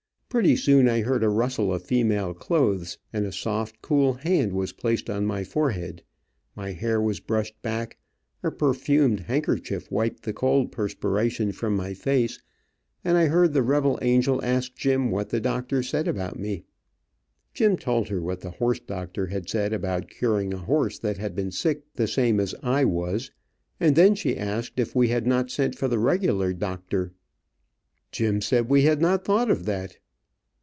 Pretty soon I heard a rustle of female clothes, and a soft, cool hand was placed on my forehead, my hair was brushed back, a perfumed handkerchief wiped the cold perspiration from my face, and I heard the rebel angel ask Jim what the doctor said about me. Jim told her what the horse doctor had said about curing a horse that had been sick the same as I was, and then she asked if we had not sent for the regular doc doctor. Jim said we had not thought of that.